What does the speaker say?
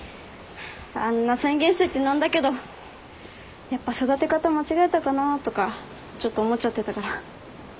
あんな宣言しといて何だけどやっぱ育て方間違えたかなとかちょっと思っちゃってたから。